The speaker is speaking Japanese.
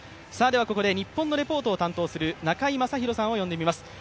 ここで日本のレポートを担当する中居正広さんを呼んでみます。